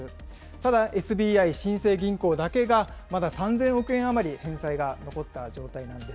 ただ、ＳＢＩ新生銀行だけがまだ３０００億円余り、返済が残った状態なんです。